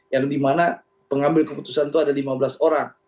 yang dimana pengambil keputusan itu ada lima belas orang